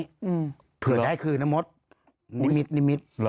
อย่างนี้เผื่อได้คืนน้ำมสนิมิตรนิมิตร